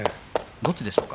どちらでしょうか。